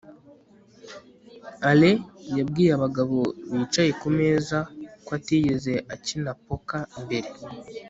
alain yabwiye abagabo bicaye kumeza ko atigeze akina poker mbere